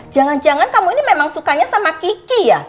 jangan jangan kamu ini memang sukanya sama kiki ya